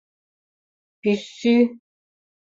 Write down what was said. — Пӱссӱ...